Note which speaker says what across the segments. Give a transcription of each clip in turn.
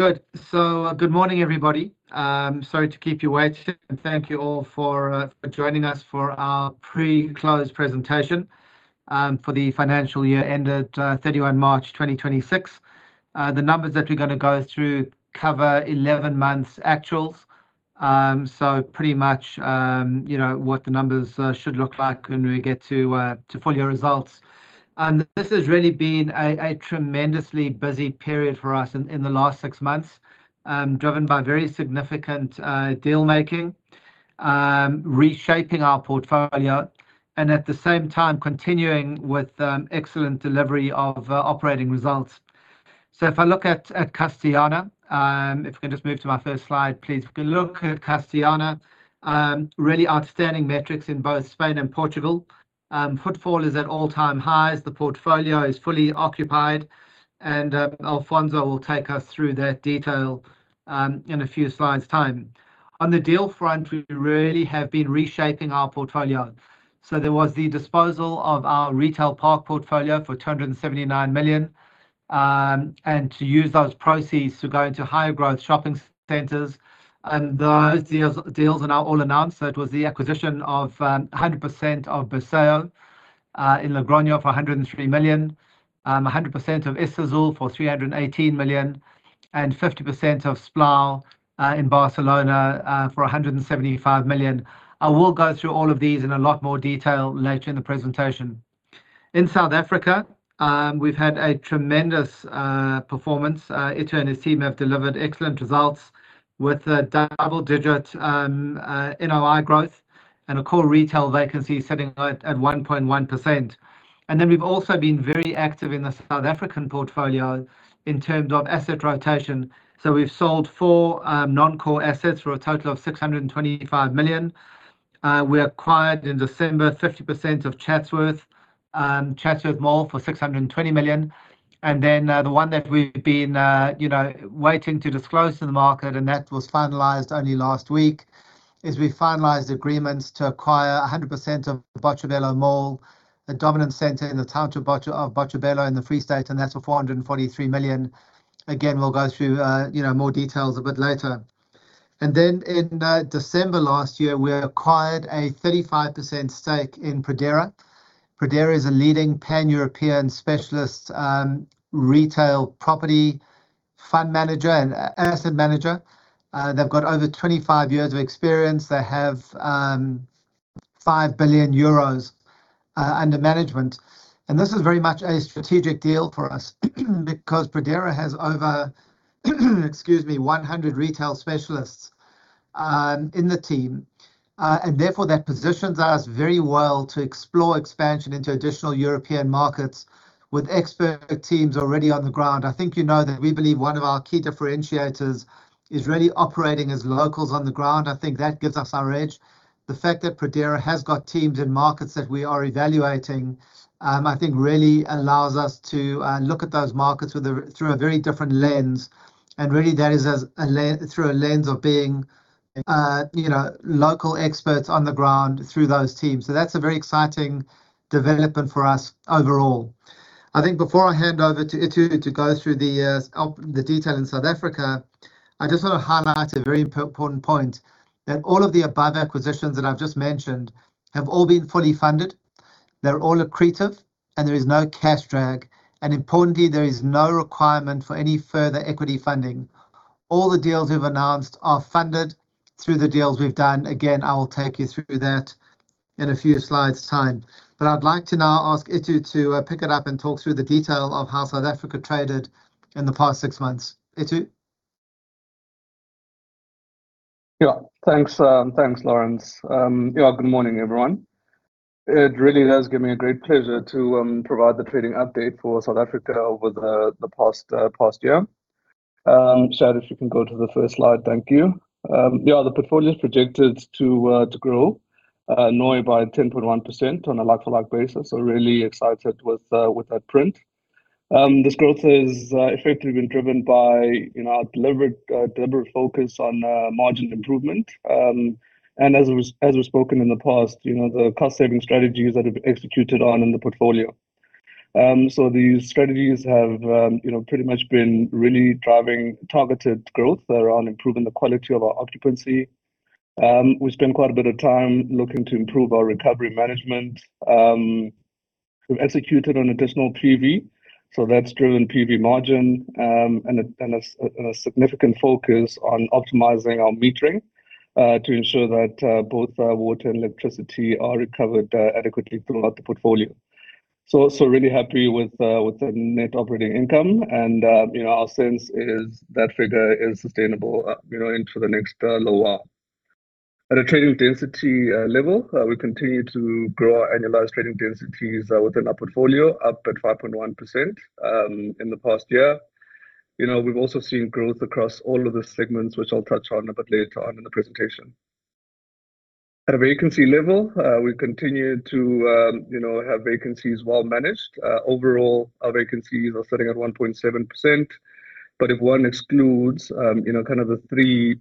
Speaker 1: Good. Good morning, everybody. Sorry to keep you waiting, and thank you all for joining us for our pre-close presentation for the financial year ended 31 March 2026. The numbers that we're gonna go through cover 11 months actuals. Pretty much, you know, what the numbers should look like when we get to full year results. This has really been a tremendously busy period for us in the last six months, driven by very significant deal making, reshaping our portfolio and at the same time continuing with excellent delivery of operating results. If I look at Castellana, if we can just move to my first slide, please. If we look at Castellana, really outstanding metrics in both Spain and Portugal. Footfall is at all-time highs. The portfolio is fully occupied and Alfonso will take us through that detail in a few slides' time. On the deal front, we really have been reshaping our portfolio. There was the disposal of our retail park portfolio for 279 million and to use those proceeds to go into higher growth shopping centers. Those deals are now all announced. It was the acquisition of 100% of Berceo in Logroño for 103 million, 100% of Islazul for 318 million, and 50% of Splau in Barcelona for 175 million. I will go through all of these in a lot more detail later in the presentation. In South Africa, we've had a tremendous performance. Itumeleng and his team have delivered excellent results with double-digit NOI growth and a core retail vacancy sitting at 1.1%. We've also been very active in the South African portfolio in terms of asset rotation. We've sold four non-core assets for a total of 625 million. We acquired in December 50% of Chatsworth Mall for 620 million. The one that we've been you know waiting to disclose to the market, and that was finalized only last week, is we finalized agreements to acquire 100% of Botshabelo Mall, a dominant center in the town of Botshabelo in the Free State, and that's for 443 million. Again, we'll go through you know more details a bit later. In December last year, we acquired a 35% stake in Pradera. Pradera is a leading Pan-European specialist retail property fund manager and asset manager. They've got over 25 years of experience. They have 5 billion euros under management. This is very much a strategic deal for us because Pradera has over 100 retail specialists in the team. Therefore that positions us very well to explore expansion into additional European markets with expert teams already on the ground. I think you know that we believe one of our key differentiators is really operating as locals on the ground. I think that gives us our edge. The fact that Pradera has got teams in markets that we are evaluating, I think really allows us to look at those markets through a very different lens. Really that is through a lens of being, you know, local experts on the ground through those teams. That's a very exciting development for us overall. I think before I hand over to Itumeleng to go through the detail in South Africa, I just want to highlight a very important point, that all of the above acquisitions that I've just mentioned have all been fully funded, they're all accretive, and there is no cash drag, and importantly, there is no requirement for any further equity funding. All the deals we've announced are funded through the deals we've done. Again, I will take you through that in a few slides' time. I'd like to now ask Itumeleng to pick it up and talk through the detail of how South Africa traded in the past six months. Itumeleng?
Speaker 2: Yeah. Thanks, Laurence. Yeah, good morning, everyone. It really does give me a great pleasure to provide the trading update for South Africa over the past year. Chad, if you can go to the first slide. Thank you. Yeah, the portfolio is projected to grow NOI by 10.1% on a like-for-like basis. So really excited with that print. This growth has effectively been driven by, you know, our deliberate focus on margin improvement. As was spoken in the past, you know, the cost saving strategies that have been executed on in the portfolio. These strategies have, you know, pretty much been really driving targeted growth around improving the quality of our occupancy. We spent quite a bit of time looking to improve our recovery management. We've executed on additional PV, so that's driven PV margin, and a significant focus on optimizing our metering to ensure that both water and electricity are recovered adequately throughout the portfolio. Really happy with the net operating income and, you know, our sense is that figure is sustainable, you know, into the next low while. At a trading density level, we continue to grow our annualized trading densities within our portfolio, up at 5.1% in the past year. You know, we've also seen growth across all of the segments, which I'll touch on a bit later on in the presentation. At a vacancy level, we've continued to, you know, have vacancies well managed. Overall, our vacancies are sitting at 1.7%, but if one excludes, you know, kind of the three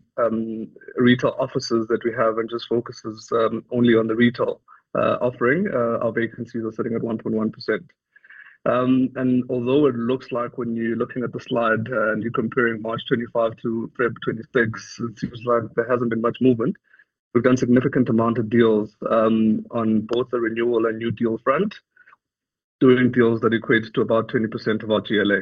Speaker 2: retail offices that we have and just focuses only on the retail offering, our vacancies are sitting at 1.1%. Although it looks like when you're looking at the slide and you're comparing March 2025 to February 2026, it seems like there hasn't been much movement. We've done significant amount of deals on both the renewal and new deal front, doing deals that equates to about 20% of our GLA.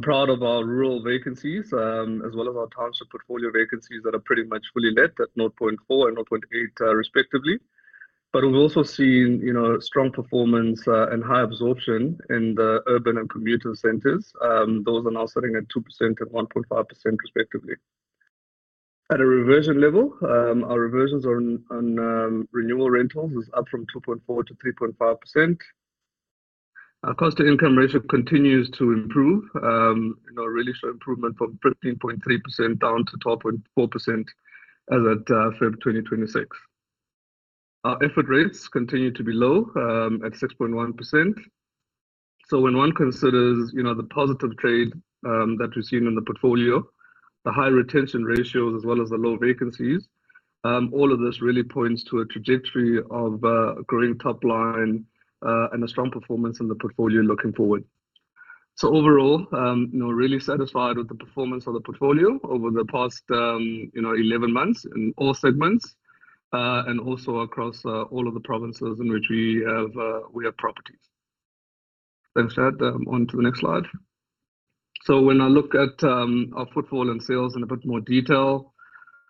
Speaker 2: Proud of our rural vacancies, as well as our township portfolio vacancies that are pretty much fully let at 0.4% and 0.8%, respectively. We've also seen, you know, strong performance and high absorption in the urban and commuter centers. Those are now sitting at 2% and 1.5% respectively. At a reversion level, our reversions on renewal rentals is up from 2.4% to 3.5%. Our cost-to-income ratio continues to improve, you know, really show improvement from 13.3% down to 12.4% as at February 2026. Our effort rates continue to be low at 6.1%. When one considers, you know, the positive trade that we've seen in the portfolio, the high retention ratios as well as the low vacancies, all of this really points to a trajectory of growing top line and a strong performance in the portfolio looking forward. Overall, you know, really satisfied with the performance of the portfolio over the past, you know, 11 months in all segments, and also across all of the provinces in which we have properties. Thanks, Chad. On to the next slide. When I look at our footfall and sales in a bit more detail,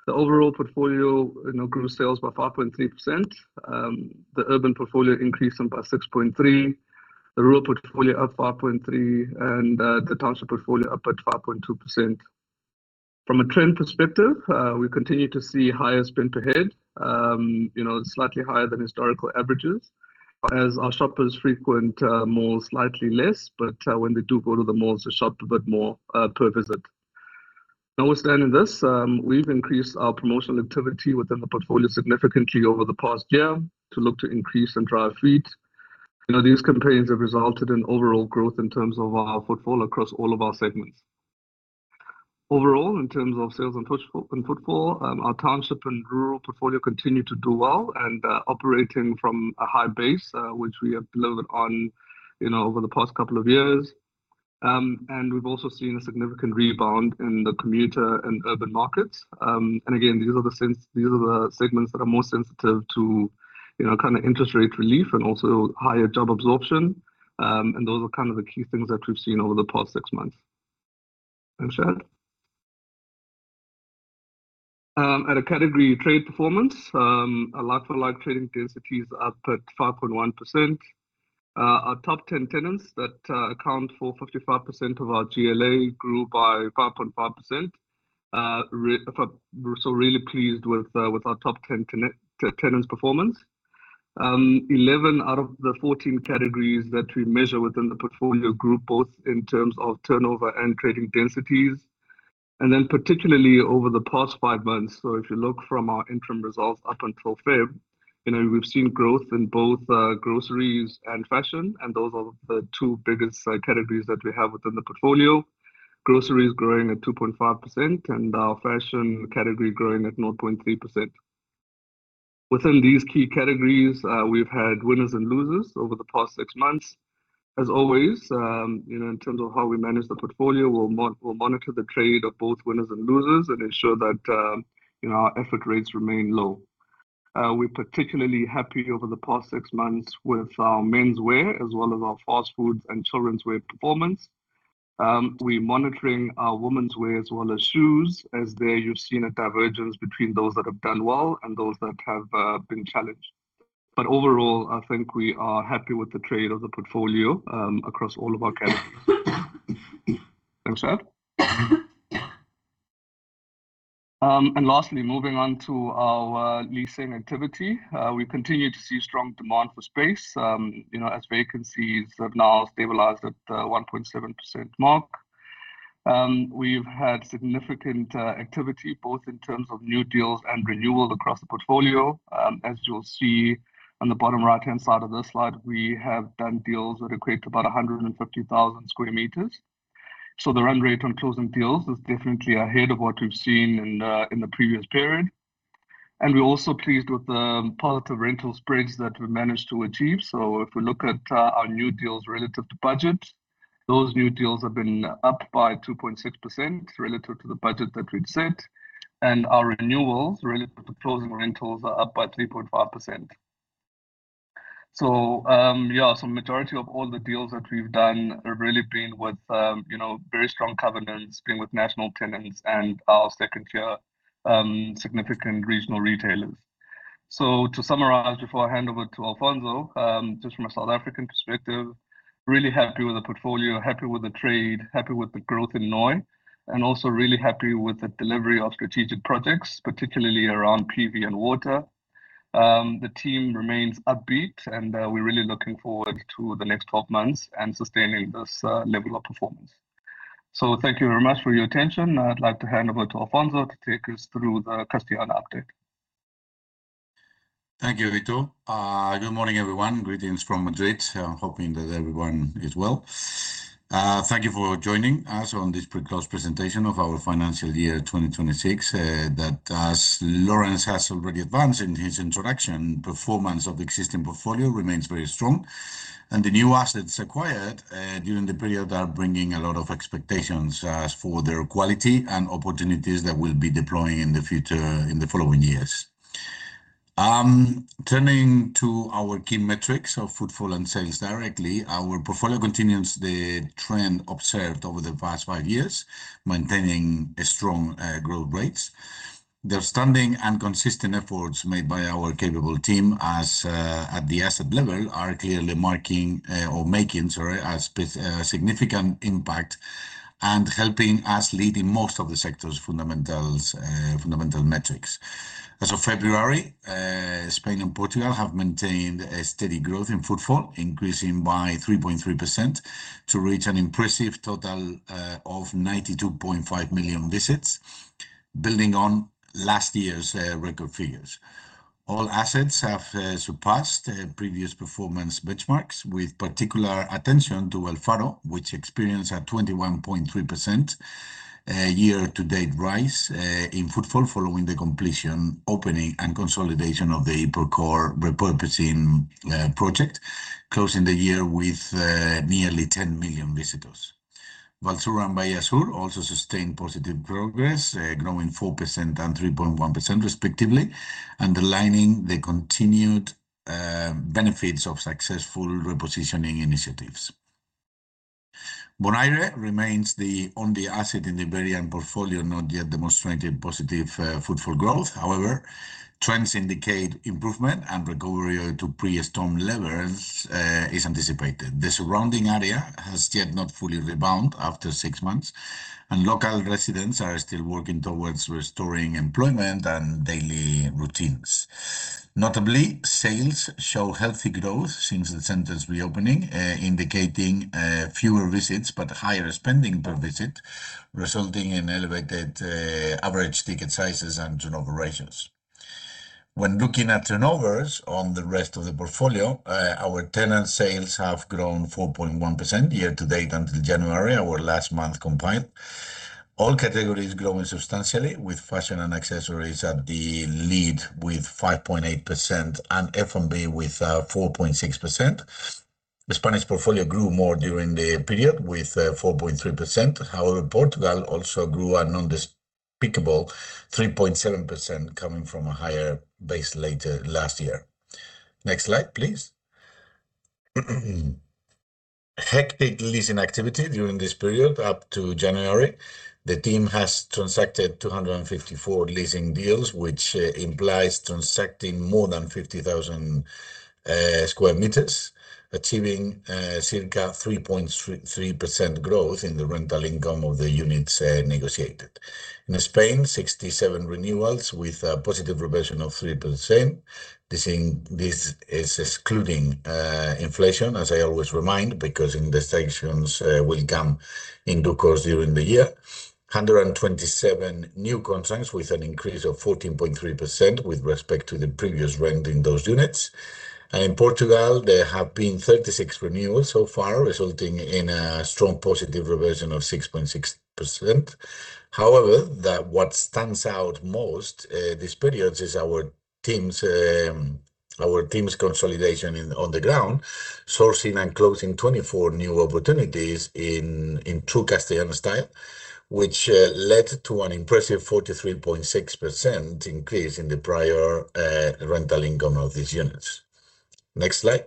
Speaker 2: the overall portfolio, you know, grew sales by 5.3%. The urban portfolio increased by 6.3%, the rural portfolio up 5.3%, and the township portfolio up at 5.2%. From a trend perspective, we continue to see higher spend per head, you know, slightly higher than historical averages as our shoppers frequent malls slightly less. But when they do go to the malls, they shop a bit more per visit. Notwithstanding this, we've increased our promotional activity within the portfolio significantly over the past year to look to increase and drive feet. You know, these campaigns have resulted in overall growth in terms of our footfall across all of our segments. Overall, in terms of sales and footfall, our township and rural portfolio continue to do well and, operating from a high base, which we have delivered on, you know, over the past couple of years. We've also seen a significant rebound in the commuter and urban markets. Again, these are the segments that are most sensitive to, you know, kind of interest rate relief and also higher job absorption. Those are kind of the key things that we've seen over the past six months. Thanks, Chad. At a category trade performance, our like-for-like trading densities up at 5.1%. Our top 10 tenants that account for 55% of our GLA grew by 5.5%. Really pleased with our top 10 tenants' performance. 11 out of the 14 categories that we measure within the portfolio group, both in terms of turnover and trading densities, and then particularly over the past 5 months. If you look from our interim results up until February, you know, we've seen growth in both groceries and fashion, and those are the two biggest categories that we have within the portfolio. Groceries growing at 2.5% and our fashion category growing at 0.3%. Within these key categories, we've had winners and losers over the past 6 months. As always, you know, in terms of how we manage the portfolio, we'll monitor the trade of both winners and losers and ensure that, you know, our effort rates remain low. We're particularly happy over the past six months with our menswear as well as our fast foods and childrenswear performance. We monitoring our womenswear as well as shoes as there you've seen a divergence between those that have done well and those that have been challenged. Overall, I think we are happy with the trade of the portfolio, across all of our categories. Thanks, Chad. Lastly, moving on to our leasing activity. We continue to see strong demand for space, you know, as vacancies have now stabilized at 1.7% mark. We've had significant activity both in terms of new deals and renewals across the portfolio. As you'll see on the bottom right-hand side of this slide, we have done deals that equate to about 150,000 sq m. The run rate on closing deals is definitely ahead of what we've seen in the previous period. We're also pleased with the positive rental spreads that we managed to achieve. If we look at our new deals relative to budget, those new deals have been up by 2.6% relative to the budget that we'd set. Our renewals relative to closing rentals are up by 3.5%. Majority of all the deals that we've done have really been with, you know, very strong covenants, being with national tenants and our second tier, significant regional retailers. To summarize before I hand over to Alfonso, just from a South African perspective, really happy with the portfolio, happy with the trade, happy with the growth in NOI, and also really happy with the delivery of strategic projects, particularly around PV and water. The team remains upbeat, and we're really looking forward to the next 12 months and sustaining this level of performance. Thank you very much for your attention. I'd like to hand over to Alfonso to take us through the Castellana update.
Speaker 3: Thank you, Itu. Good morning, everyone. Greetings from Madrid. Hoping that everyone is well. Thank you for joining us on this pre-close presentation of our financial year 2026. That, as Laurence has already advanced in his introduction, performance of existing portfolio remains very strong. The new assets acquired during the period are bringing a lot of expectations as for their quality and opportunities that we'll be deploying in the future in the following years. Turning to our key metrics of footfall and sales directly, our portfolio continues the trend observed over the past five years, maintaining strong growth rates. The outstanding and consistent efforts made by our capable team at the asset level are clearly making a significant impact and helping us lead in most of the sector's fundamental metrics. As of February, Spain and Portugal have maintained a steady growth in footfall, increasing by 3.3% to reach an impressive total of 92.5 million visits, building on last year's record figures. All assets have surpassed previous performance benchmarks, with particular attention to El Faro, which experienced a 21.3% year-to-date rise in footfall following the completion, opening and consolidation of the Hipercor repurposing project, closing the year with nearly 10 million visitors. Vallsur and Bahía Sur also sustained positive progress, growing 4% and 3.1% respectively, underlining the continued benefits of successful repositioning initiatives. Bonaire remains the only asset in the Iberian portfolio not yet demonstrating positive footfall growth. However, trends indicate improvement and recovery to pre-storm levels is anticipated. The surrounding area has not yet fully rebounded after six months, and local residents are still working towards restoring employment and daily routines. Notably, sales show healthy growth since the center's reopening, indicating fewer visits but higher spending per visit, resulting in elevated average ticket sizes and turnover ratios. When looking at turnovers on the rest of the portfolio, our tenant sales have grown 4.1% year-to-date until January, our last month combined. All categories growing substantially with fashion and accessories at the lead with 5.8% and F&B with 4.6%. The Spanish portfolio grew more during the period with 4.3%. However, Portugal also grew a respectable 3.7% coming from a higher base later last year. Next slide, please. Hectic leasing activity during this period up to January. The team has transacted 254 leasing deals, which implies transacting more than 50,000 sq m, achieving circa 3.3% growth in the rental income of the units negotiated. In Spain, 67 renewals with a positive revision of 3%. This is excluding inflation, as I always remind, because indexations will come in due course during the year. 127 new contracts with an increase of 14.3% with respect to the previous rent in those units. In Portugal, there have been 36 renewals so far, resulting in a strong positive revision of 6.6%. However, what stands out most these periods is our team's consolidation on the ground, sourcing and closing 24 new opportunities in true Castellana style, which led to an impressive 43.6% increase in the prior rental income of these units. Next slide.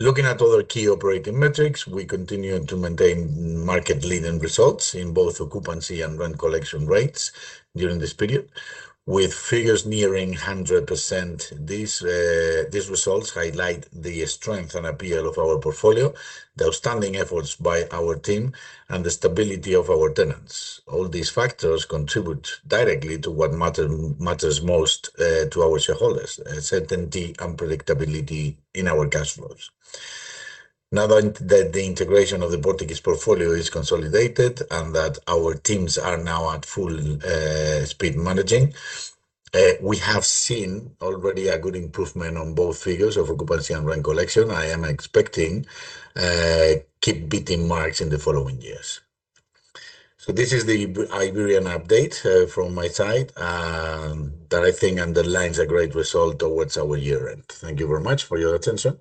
Speaker 3: Looking at other key operating metrics, we continue to maintain market-leading results in both occupancy and rent collection rates during this period, with figures nearing 100%. These results highlight the strength and appeal of our portfolio, the outstanding efforts by our team and the stability of our tenants. All these factors contribute directly to what matters most to our shareholders, certainty and predictability in our cash flows. Now that the integration of the Portuguese portfolio is consolidated and that our teams are now at full speed managing, we have seen already a good improvement on both figures of occupancy and rent collection. I am expecting keep beating marks in the following years. This is the Iberian update from my side that I think underlines a great result towards our year-end. Thank you very much for your attention.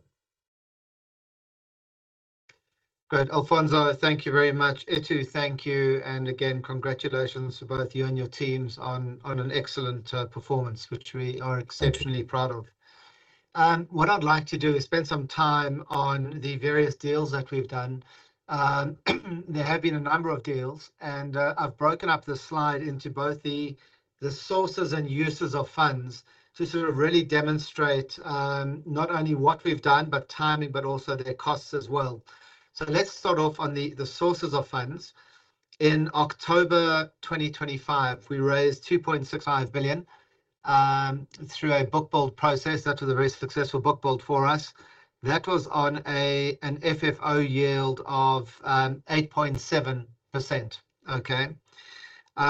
Speaker 1: Great, Alfonso. Thank you very much. Itu, thank you, and again, congratulations to both you and your teams on an excellent performance, which we are exceptionally proud of. What I'd like to do is spend some time on the various deals that we've done. There have been a number of deals, and I've broken up the slide into both the sources and uses of funds to sort of really demonstrate not only what we've done, but timing, but also their costs as well. Let's start off on the sources of funds. In October 2025, we raised 2.65 billion through a book build process. That was a very successful book build for us. That was on an FFO yield of 8.7%.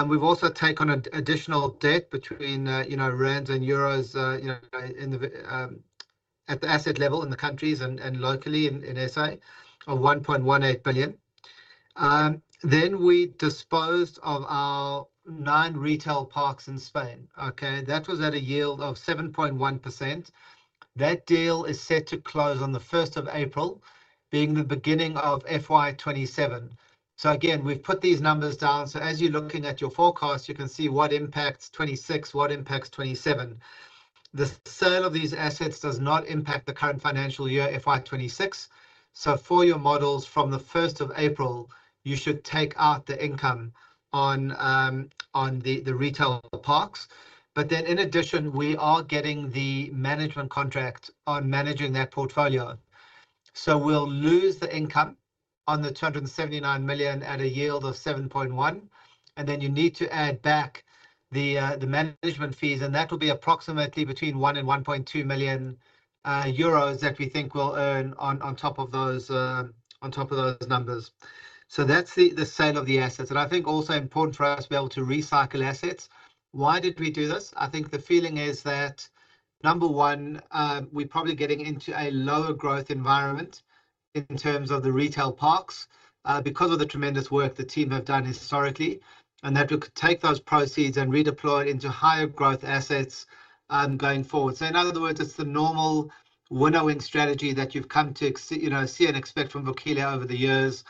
Speaker 1: We've also taken on additional debt between you know rands and euros you know at the asset level in the countries and locally in SA of 1.18 billion. Then we disposed of our 9 retail parks in Spain. That was at a yield of 7.1%. That deal is set to close on the first of April, being the beginning of FY 2027. Again, we've put these numbers down, so as you're looking at your forecast, you can see what impacts 2026, what impacts 2027. The sale of these assets does not impact the current financial year, FY 2026. For your models from the first of April, you should take out the income on the retail parks. In addition, we are getting the management contract on managing that portfolio. We'll lose the income on the 279 million at a yield of 7.1, and then you need to add back the management fees, and that will be approximately between 1 million and 1.2 million euros that we think we'll earn on top of those numbers. That's the sale of the assets. I think also important for us to be able to recycle assets. Why did we do this? I think the feeling is that, number one, we're probably getting into a lower growth environment in terms of the retail parks, because of the tremendous work the team have done historically, and that we could take those proceeds and redeploy it into higher growth assets, going forward. In other words, it's the normal winnowing strategy that you've come to you know, see and expect from Vukile over the years,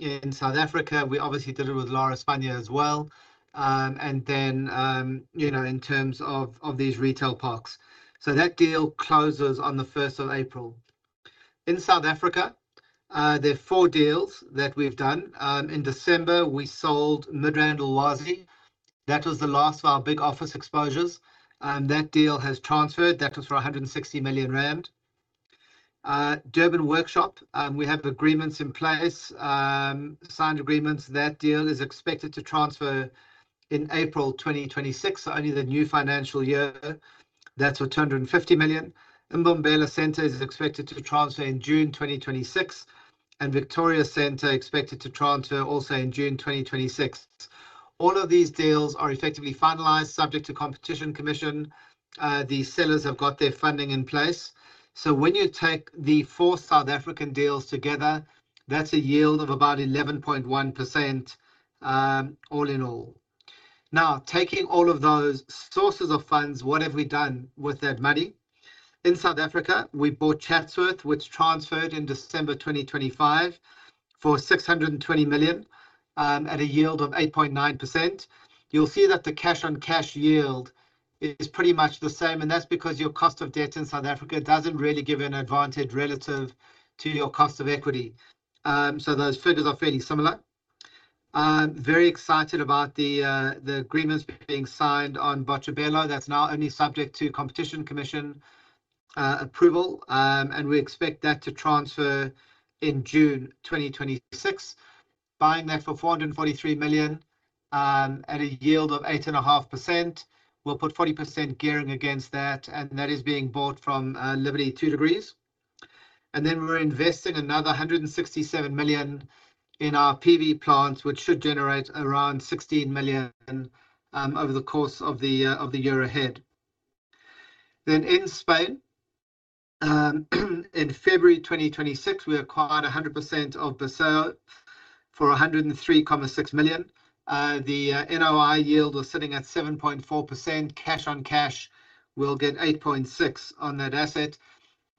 Speaker 1: in South Africa. We obviously did it with Lar España as well. You know, in terms of these retail parks. That deal closes on the first of April. In South Africa, there are four deals that we've done. In December, we sold Midrand Ulwazi. That was the last of our big office exposures, and that deal has transferred. That was for 160 million rand. Durban Workshop, we have agreements in place, signed agreements. That deal is expected to transfer in April 2026, so only the new financial year. That's for 250 million. Mbombela Centre is expected to transfer in June 2026, and Victoria Centre expected to transfer also in June 2026. All of these deals are effectively finalized subject to Competition Commission. The sellers have got their funding in place. When you take the four South African deals together, that's a yield of about 11.1%, all in all. Now, taking all of those sources of funds, what have we done with that money? In South Africa, we bought Chatsworth, which transferred in December 2025 for 620 million, at a yield of 8.9%. You'll see that the cash on cash yield is pretty much the same, and that's because your cost of debt in South Africa doesn't really give you an advantage relative to your cost of equity. Those figures are fairly similar. I'm very excited about the agreements being signed on Botshabelo. That's now only subject to Competition Commission approval. We expect that to transfer in June 2026. Buying that for 443 million at a yield of 8.5%. We'll put 40% gearing against that, and that is being bought from Liberty Two Degrees. We're investing another 167 million in our PV plants, which should generate around 16 million over the course of the year ahead. In Spain, in February 2026, we acquired 100% of Puerta Europa for 103.6 million. The NOI yield was sitting at 7.4%. Cash on cash will get 8.6 on that asset.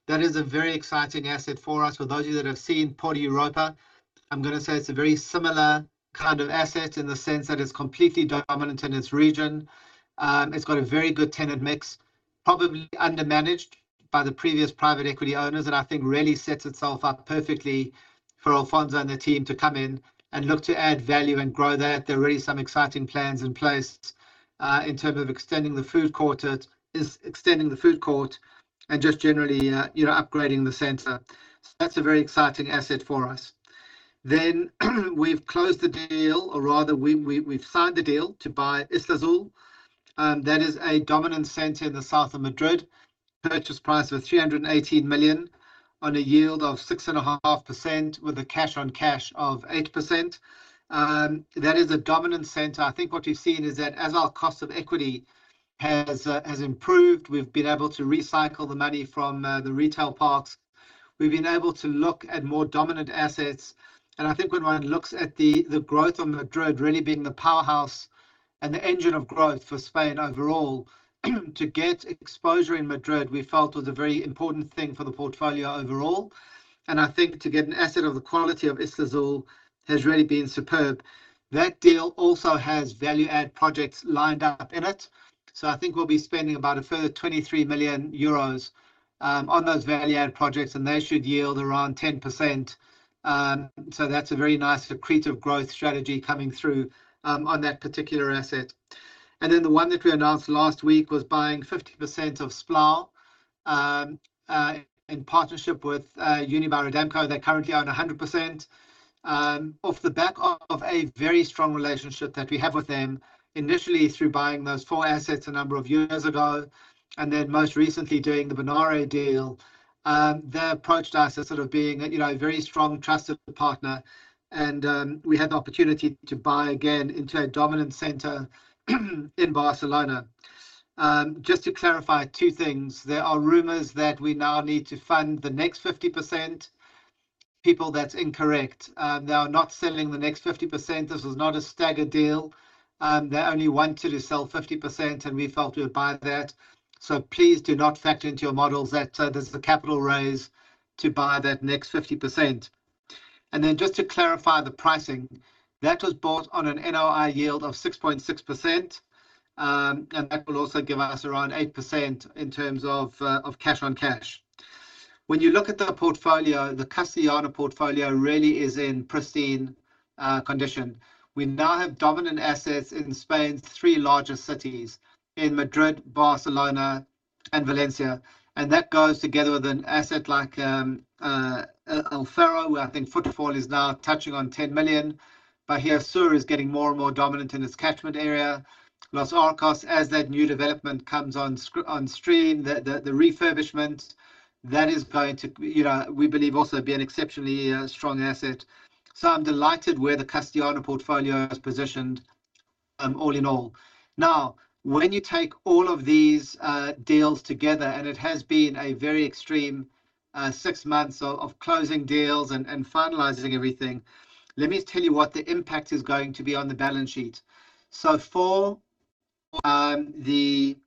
Speaker 1: That is a very exciting asset for us. For those of you that have seen Puerta Europa, I'm gonna say it's a very similar kind of asset in the sense that it's completely dominant in its region. It's got a very good tenant mix, probably under-managed by the previous private equity owners that I think really sets itself up perfectly for Alfonso and the team to come in and look to add value and grow that. There are already some exciting plans in place, in terms of extending the food court at is extending the food court and just generally, you know, upgrading the center. That's a very exciting asset for us. We've closed the deal, or rather we've signed the deal to buy Islazul, that is a dominant center in the south of Madrid. Purchase price of 318 million on a yield of 6.5% with a cash on cash of 8%. That is a dominant center. I think what we've seen is that as our cost of equity has improved, we've been able to recycle the money from the retail parks. We've been able to look at more dominant assets. I think when one looks at the growth of Madrid really being the powerhouse and the engine of growth for Spain overall, to get exposure in Madrid, we felt was a very important thing for the portfolio overall. I think to get an asset of the quality of Islazul has really been superb. That deal also has value add projects lined up in it. I think we'll be spending about a further 23 million euros on those value add projects, and they should yield around 10%. That's a very nice accretive growth strategy coming through on that particular asset. Then the one that we announced last week was buying 50% of Splau in partnership with Unibail-Rodamco. They currently own 100%. Off the back of a very strong relationship that we have with them. Initially through buying those four assets a number of years ago, and then most recently doing the Bonaire deal. They approached us as sort of being a, you know, a very strong trusted partner and, we had the opportunity to buy again into a dominant center in Barcelona. Just to clarify two things. There are rumors that we now need to fund the next 50%. People, that's incorrect. They are not selling the next 50%. This was not a staggered deal. They only wanted to sell 50%, and we felt we would buy that. Please do not factor into your models that, there's the capital raise to buy that next 50%. Just to clarify the pricing. That was bought on an NOI yield of 6.6%. That will also give us around 8% in terms of cash on cash. When you look at the portfolio, the Castellana portfolio really is in pristine condition. We now have dominant assets in Spain, three largest cities in Madrid, Barcelona and Valencia. That goes together with an asset like El Faro, where I think footfall is now touching on 10 million. Bahía Sur is getting more and more dominant in its catchment area. Los Arcos, as that new development comes on stream, the refurbishment, that is going to, you know, we believe also be an exceptionally strong asset. I'm delighted where the Castellana portfolio has positioned, all in all. Now, when you take all of these deals together, and it has been a very extreme six months of closing deals and finalizing everything, let me tell you what the impact is going to be on the balance sheet. For the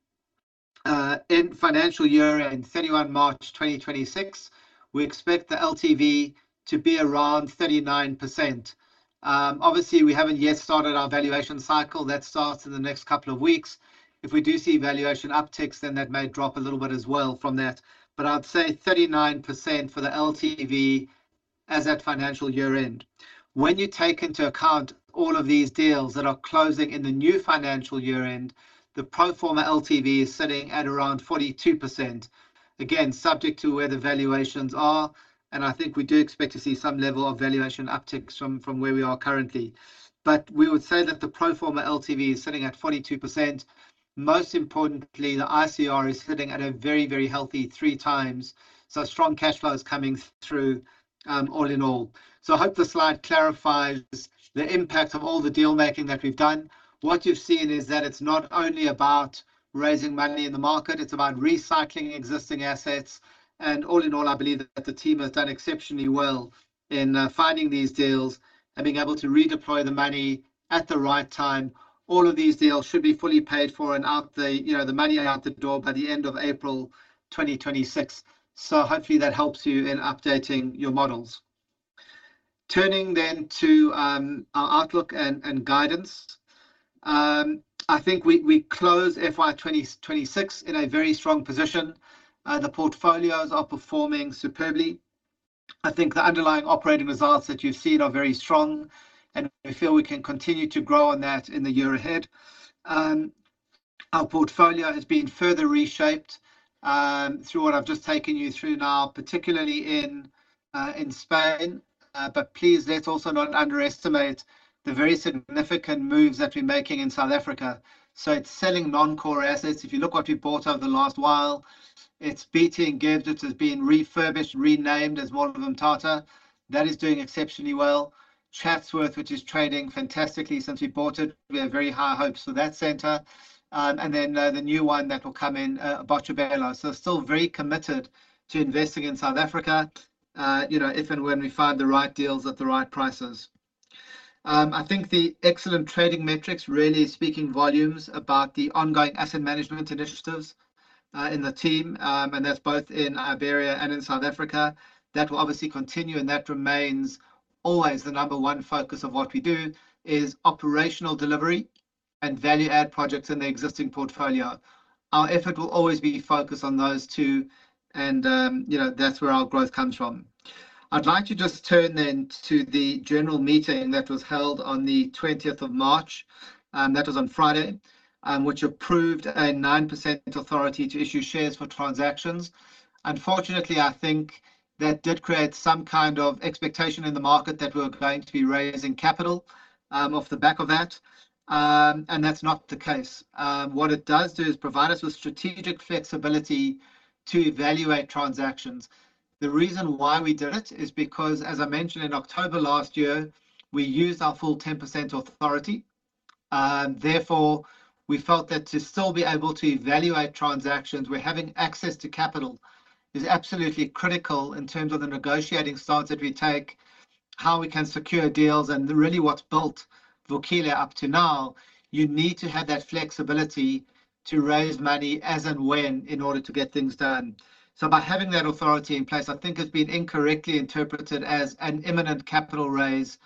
Speaker 1: end financial year, end 31 March 2026, we expect the LTV to be around 39%. Obviously we haven't yet started our valuation cycle. That starts in the next couple of weeks. If we do see valuation upticks, then that may drop a little bit as well from that. I'd say 39% for the LTV as at financial year-end. When you take into account all of these deals that are closing in the new financial year-end, the pro forma LTV is sitting at around 42%. Again, subject to where the valuations are, and I think we do expect to see some level of valuation upticks from where we are currently. We would say that the pro forma LTV is sitting at 42%. Most importantly, the ICR is sitting at a very, very healthy 3 times. Strong cash flow is coming through, all in all. I hope the slide clarifies the impact of all the deal-making that we've done. What you've seen is that it's not only about raising money in the market, it's about recycling existing assets. All in all, I believe that the team has done exceptionally well in finding these deals and being able to redeploy the money at the right time. All of these deals should be fully paid for and out the, you know, the money out the door by the end of April 2026. Hopefully that helps you in updating your models. Turning to our outlook and guidance. I think we closed FY 2026 in a very strong position. The portfolios are performing superbly. I think the underlying operating results that you've seen are very strong, and we feel we can continue to grow on that in the year ahead. Our portfolio has been further reshaped through what I've just taken you through now, particularly in Spain. Please let's also not underestimate the very significant moves that we're making in South Africa. It's selling non-core assets. If you look at what we've bought over the last while, it's BT Ngebs City has been refurbished, renamed as Mall of Mthatha. That is doing exceptionally well. Chatsworth, which is trading fantastically since we bought it. We have very high hopes for that center. The new one that will come in, Botshabelo. Still very committed to investing in South Africa, if and when we find the right deals at the right prices. I think the excellent trading metrics really is speaking volumes about the ongoing asset management initiatives in the team. That's both in Iberia and in South Africa. That will obviously continue, and that remains always the number one focus of what we do, is operational delivery and value add projects in the existing portfolio. Our effort will always be focused on those two and, you know, that's where our growth comes from. I'd like to just turn then to the general meeting that was held on the twentieth of March, that was on Friday. Which approved a 9% authority to issue shares for transactions. Unfortunately, I think that did create some kind of expectation in the market that we're going to be raising capital, off the back of that. That's not the case. What it does do is provide us with strategic flexibility to evaluate transactions. The reason why we did it is because, as I mentioned in October last year, we used our full 10% authority. Therefore, we felt that to still be able to evaluate transactions, we're having access to capital is absolutely critical in terms of the negotiating stance that we take, how we can secure deals and really what's built Vukile up to now. You need to have that flexibility to raise money as and when in order to get things done. By having that authority in place, I think has been incorrectly interpreted as an imminent capital raise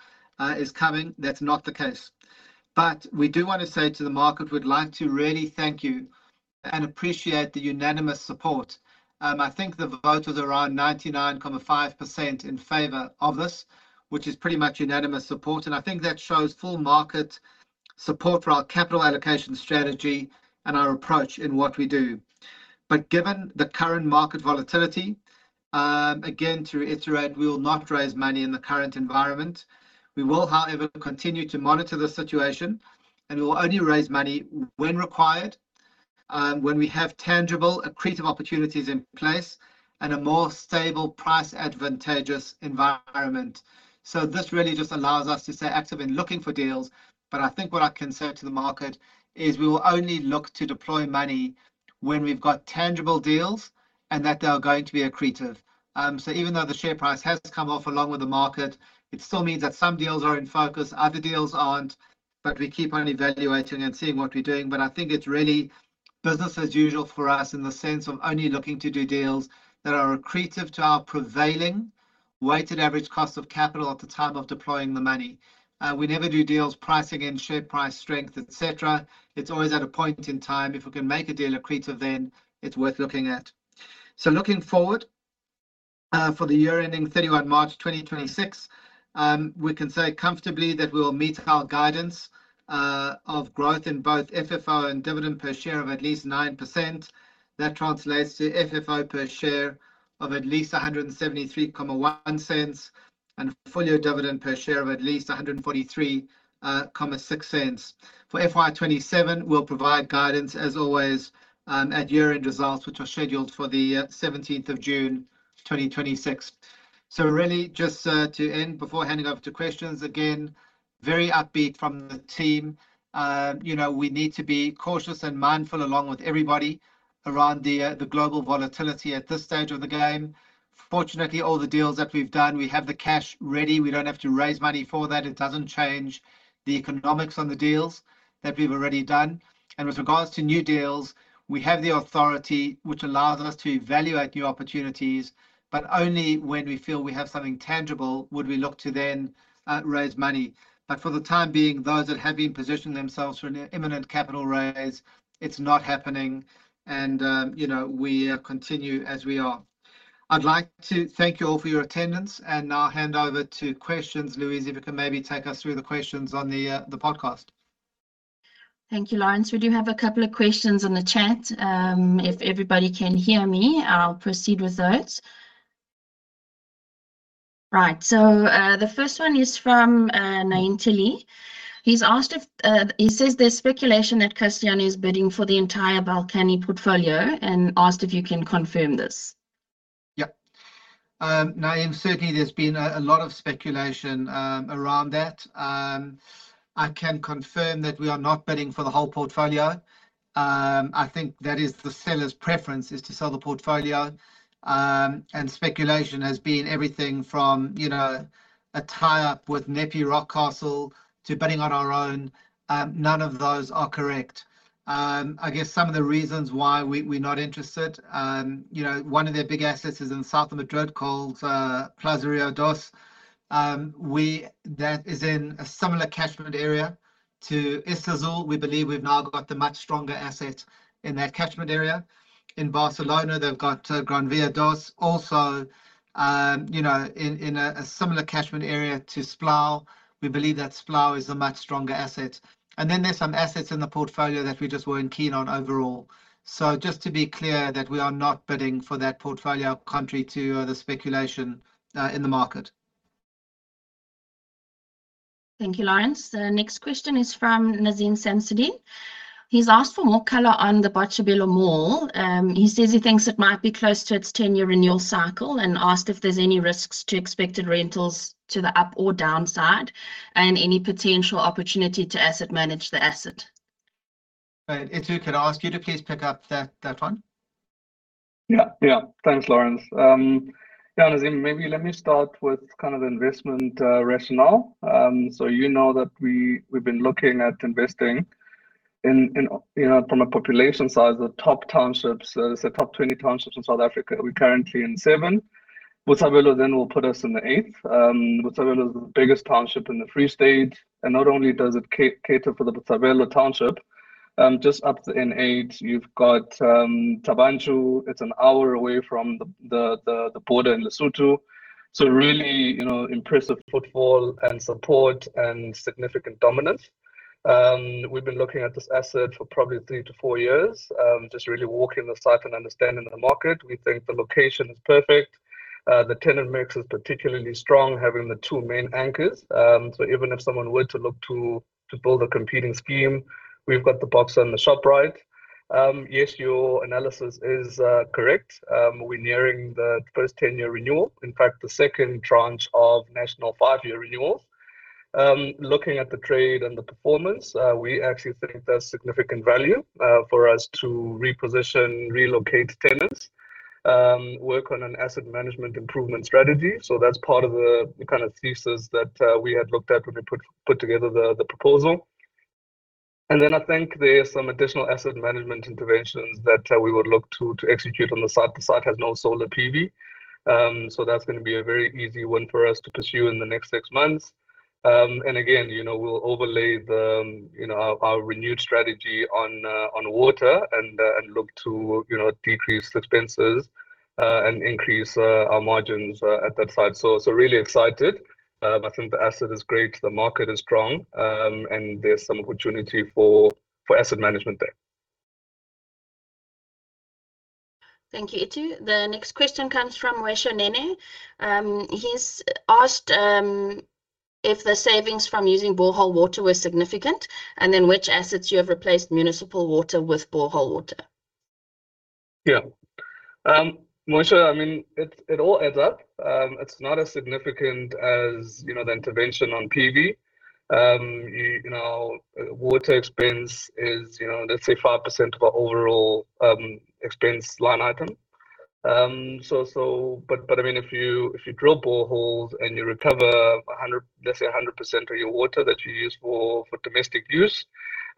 Speaker 1: is coming. That's not the case. We do wanna say to the market, we'd like to really thank you and appreciate the unanimous support. I think the vote was around 99.5% in favor of this, which is pretty much unanimous support. I think that shows full market support for our capital allocation strategy and our approach in what we do. Given the current market volatility, again, to iterate, we will not raise money in the current environment. We will, however, continue to monitor the situation, and we will only raise money when required, when we have tangible accretive opportunities in place and a more stable price advantageous environment. This really just allows us to stay active in looking for deals, but I think what I can say to the market is we will only look to deploy money when we've got tangible deals and that they are going to be accretive. Even though the share price has come off along with the market, it still means that some deals are in focus, other deals aren't, but we keep on evaluating and seeing what we're doing. I think it's really business as usual for us in the sense of only looking to do deals that are accretive to our prevailing weighted average cost of capital at the time of deploying the money. We never do deals pricing in share price strength, etc. It's always at a point in time. If we can make a deal accretive, then it's worth looking at. Looking forward, for the year ending 31 March 2026, we can say comfortably that we will meet our guidance of growth in both FFO and dividend per share of at least 9%. That translates to FFO per share of at least 1.731 and full-year dividend per share of at least 1.436. For FY 2027, we'll provide guidance as always at year-end results, which are scheduled for the 17th of June 2026. Really just to end before handing over to questions, again, very upbeat from the team. You know, we need to be cautious and mindful along with everybody around the global volatility at this stage of the game. Fortunately, all the deals that we've done, we have the cash ready. We don't have to raise money for that. It doesn't change the economics on the deals that we've already done. With regards to new deals, we have the authority which allows us to evaluate new opportunities, but only when we feel we have something tangible would we look to then raise money. For the time being, those that have been positioning themselves for an imminent capital raise, it's not happening and, you know, we continue as we are. I'd like to thank you all for your attendance and I'll hand over to questions. Louise, if you can maybe take us through the questions on the podcast.
Speaker 4: Thank you, Laurence. We do have a couple of questions on the chat. If everybody can hear me, I'll proceed with those. Right. The first one is from Naeem Tilly. He says there's speculation that Castellana is bidding for the entire Iberian portfolio and asked if you can confirm this.
Speaker 1: Yeah. Naeem, certainly there's been a lot of speculation around that. I can confirm that we are not bidding for the whole portfolio. I think that is the seller's preference is to sell the portfolio. Speculation has been everything from, you know, a tie-up with NEPI Rockcastle to bidding on our own. None of those are correct. I guess some of the reasons why we're not interested, you know, one of their big assets is in south of Madrid called Plaza Río 2. That is in a similar catchment area to Islazul. We believe we've now got the much stronger asset in that catchment area. In Barcelona, they've got Gran Vía 2 also, you know, in a similar catchment area to Splau. We believe that Splau is a much stronger asset. There's some assets in the portfolio that we just weren't keen on overall. Just to be clear that we are not bidding for that portfolio contrary to the speculation in the market.
Speaker 4: Thank you, Laurence. The next question is from Nazeem Samsodien. He's asked for more color on the Botshabelo Mall. He says he thinks it might be close to its ten-year renewal cycle and asked if there's any risks to expected rentals to the up or downside and any potential opportunity to asset manage the asset.
Speaker 1: Right. Itumeleng, could I ask you to please pick up that one?
Speaker 2: Yeah. Yeah. Thanks, Laurence. Yeah, Nazeem, maybe let me start with kind of investment rationale. So you know that we've been looking at investing in, you know, from a population size, the top 20 townships in South Africa. We're currently in 7. Botshabelo then will put us in the eighth. Botshabelo is the biggest township in the Free State, and not only does it cater for the Botshabelo township, just up in eighth you've got Thaba Nchu. It's an hour away from the border in Lesotho. Really, you know, impressive footfall and support and significant dominance. We've been looking at this asset for probably 3 to 4 years, just really walking the site and understanding the market. We think the location is perfect. The tenant mix is particularly strong, having the two main anchors. Even if someone were to look to build a competing scheme, we've got the Boxer and the Shoprite. Yes, your analysis is correct. We're nearing the first 10-year renewal, in fact the second tranche of national 5-year renewals. Looking at the trade and the performance, we actually think there's significant value for us to reposition, relocate tenants, work on an asset management improvement strategy. That's part of the kind of thesis that we had looked at when we put together the proposal. I think there are some additional asset management interventions that we would look to execute on the site. The site has no solar PV, so that's gonna be a very easy one for us to pursue in the next six months. Again, you know, we'll overlay the, you know, our renewed strategy on water and look to, you know, decrease expenses and increase our margins at that site. Really excited. I think the asset is great, the market is strong, and there's some opportunity for asset management there.
Speaker 4: Thank you, Itumeleng. The next question comes from Moesha Nene. He's asked if the savings from using borehole water were significant, and in which assets you have replaced municipal water with borehole water.
Speaker 2: Yeah. Moesha, I mean, it all adds up. It's not as significant as, you know, the intervention on PV. You know, water expense is, you know, let's say 5% of our overall expense line item. If you drill boreholes and you recover 100%, let's say, of your water that you use for domestic use,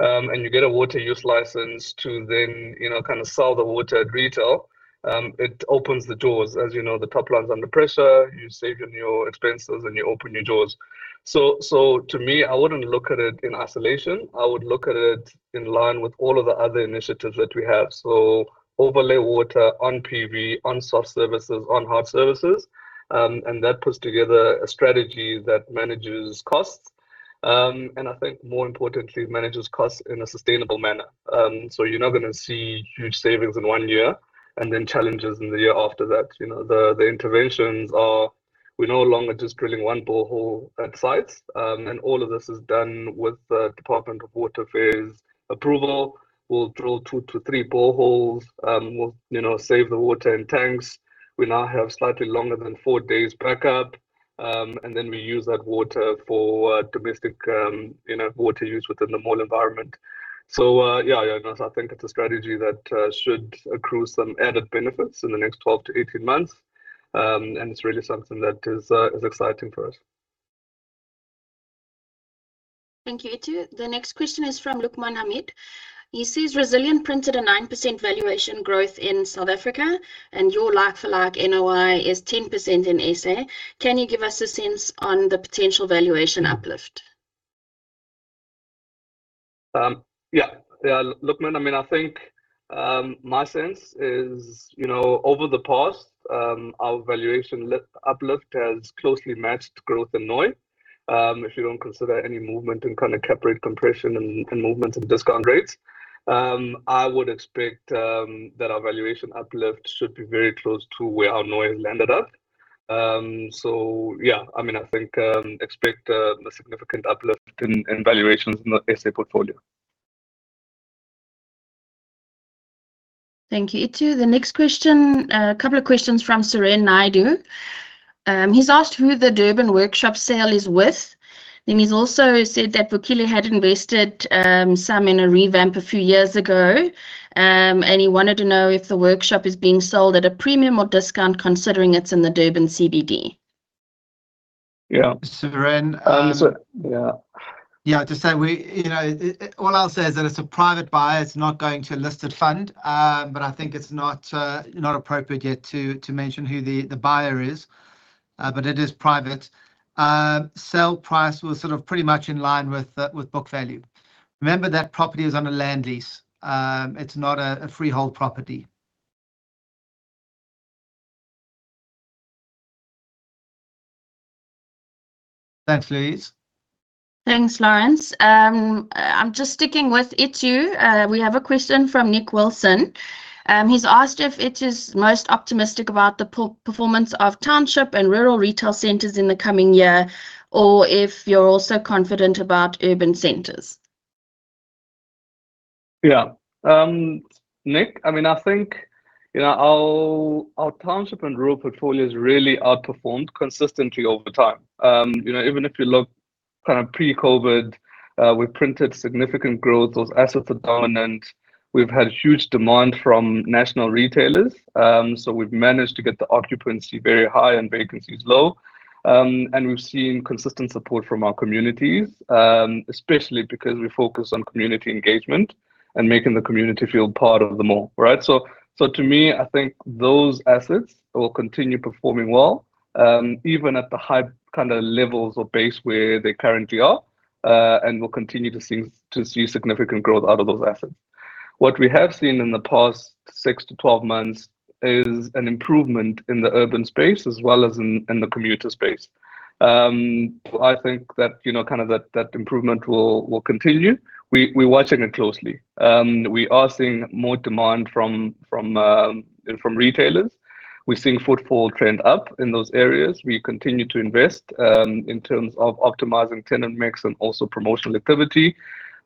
Speaker 2: and you get a water use license to then, you know, kind of sell the water at retail, it opens the doors. As you know, the top line's under pressure. You're saving your expenses and you open your doors. To me, I wouldn't look at it in isolation. I would look at it in line with all of the other initiatives that we have. Overlay water on PV, on soft services, on hard services, and that puts together a strategy that manages costs, and I think more importantly, manages costs in a sustainable manner. You're not gonna see huge savings in one year and then challenges in the year after that. You know, the interventions are we're no longer just drilling 1 borehole at sites, and all of this is done with the Department of Water and Sanitation approval. We'll drill 2-3 boreholes. We'll, you know, save the water in tanks. We now have slightly longer than 4 days backup, and then we use that water for domestic, you know, water use within the mall environment. I think it's a strategy that should accrue some added benefits in the next 12-18 months. It's really something that is exciting for us.
Speaker 4: Thank you, Itumeleng. The next question is from Luqman Hamid. He says Resilient printed a 9% valuation growth in South Africa and your like for like NOI is 10% in SA. Can you give us a sense on the potential valuation uplift?
Speaker 2: Yeah, Luqman, I mean, I think my sense is, you know, over the past, our valuation uplift has closely matched growth in NOI, if you don't consider any movement in kind of cap rate compression and movements in discount rates. I would expect that our valuation uplift should be very close to where our NOI has landed up. Yeah, I mean, I think expect a significant uplift in valuations in the SA portfolio.
Speaker 4: Thank you, Itumeleng. The next question, a couple of questions from Suren Naidoo. He's asked who the Durban Workshop sale is with, then he's also said that Vukile had invested some in a revamp a few years ago, and he wanted to know if the workshop is being sold at a premium or discount considering it's in the Durban CBD.
Speaker 2: Yeah.
Speaker 1: Suren,
Speaker 2: Yeah.
Speaker 1: All I'll say is that it's a private buyer. It's not going to a listed fund. I think it's not appropriate yet to mention who the buyer is, but it is private. Sell price was sort of pretty much in line with book value. Remember, that property is on a land lease. It's not a freehold property. Thanks, Louise.
Speaker 4: Thanks, Laurence. I'm just sticking with Itumeleng. We have a question from Nick Wilson. He's asked if Itumeleng's most optimistic about the performance of township and rural retail centers in the coming year, or if you're also confident about urban centers.
Speaker 2: Yeah. Nick, I mean, I think, you know, our township and rural portfolios really outperformed consistently over time. You know, even if you look kind of pre-COVID, we printed significant growth. Those assets are dominant. We've had huge demand from national retailers. We've managed to get the occupancy very high and vacancies low. We've seen consistent support from our communities, especially because we focus on community engagement and making the community feel part of the mall, right? To me, I think those assets will continue performing well, even at the high kind of levels or base where they currently are, and we'll continue to see significant growth out of those assets. What we have seen in the past 6 to 12 months is an improvement in the urban space as well as in the commuter space. I think that, you know, kind of that improvement will continue. We're watching it closely. We are seeing more demand from retailers. We're seeing footfall trend up in those areas. We continue to invest in terms of optimizing tenant mix and also promotional activity.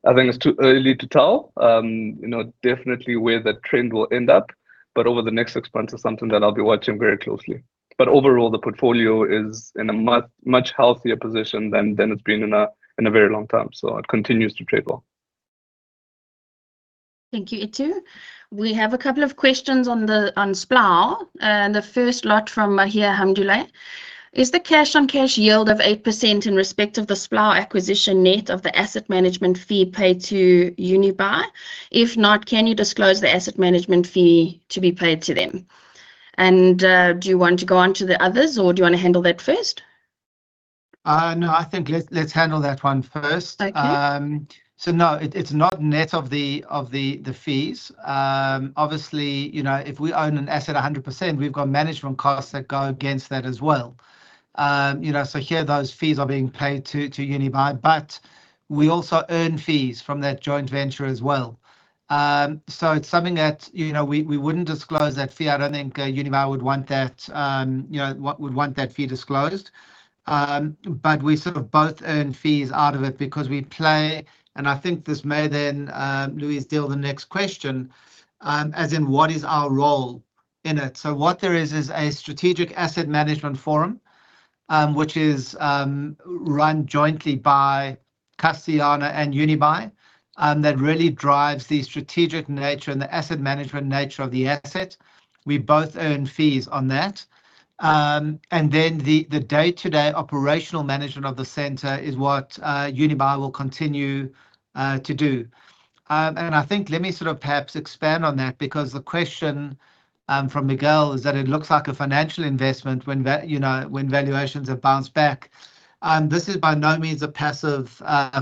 Speaker 2: I think it's too early to tell, you know, definitely where that trend will end up. But over the next 6 months, it's something that I'll be watching very closely. But overall, the portfolio is in a much healthier position than it's been in a very long time. It continues to trade well.
Speaker 4: Thank you, Itumeleng. We have a couple of questions on Splau. The first lot from Mahia Hamdullay. Is the cash on cash yield of 8% in respect of the Splau acquisition net of the asset management fee paid to Unibail? If not, can you disclose the asset management fee to be paid to them? Do you want to go on to the others, or do you want to handle that first?
Speaker 1: No, I think let's handle that one first.
Speaker 4: Okay.
Speaker 1: No, it's not net of the fees. Obviously, you know, if we own an asset 100%, we've got management costs that go against that as well. You know, here those fees are being paid to Unibail. But we also earn fees from that joint venture as well. It's something that, you know, we wouldn't disclose that fee. I don't think Unibail would want that fee disclosed, you know. But we sort of both earn fees out of it. I think this may then, Louise, deal the next question, as in what is our role in it. What there is a strategic asset management forum which is run jointly by Castellana and Unibail that really drives the strategic nature and the asset management nature of the asset. We both earn fees on that. The day-to-day operational management of the center is what Unibail will continue to do. I think let me sort of perhaps expand on that because the question from Miguel is that it looks like a financial investment when you know when valuations have bounced back. This is by no means a passive